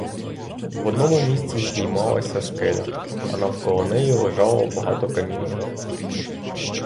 В одному місці здіймалася скеля, а навколо неї лежало багато каміння.